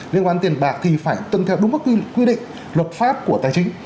liên quan tiền bạc thì phải tuân theo đúng các quy định luật pháp của tài chính